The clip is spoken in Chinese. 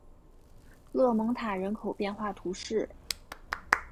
勒蒙塔人口变化图示